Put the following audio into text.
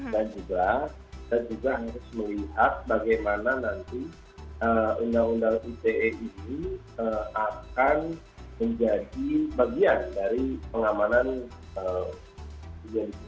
dan juga kita juga harus melihat bagaimana nanti undang undang rce ini akan menjadi bagian dari pengamanan digital divisi yang utuhnya juga